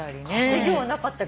授業はなかったけどね。